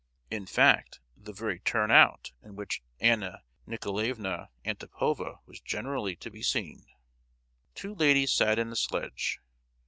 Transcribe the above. In fact, the very "turn out" in which Anna Nicolaevna Antipova was generally to be seen. Two ladies sat in the sledge.